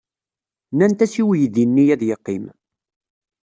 Nnant-as i weydi-nni ad yeqqim.